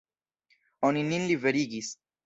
Oni nin liberigis.